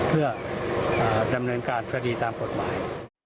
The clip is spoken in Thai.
เพื่อดำเนินการคดีตามกฎหมาย